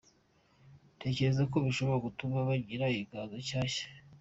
Ntekereza ko bishobora gutuma bagira inganzo nshyashya.